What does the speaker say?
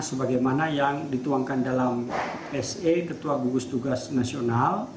sebagaimana yang dituangkan dalam se ketua gugus tugas nasional